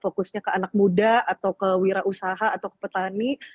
fokusnya ke anak muda atau ke wira usaha atau ke petani